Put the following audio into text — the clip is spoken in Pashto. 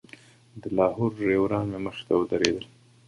د لاهور ډریوران مې مخې ته ودرېدل.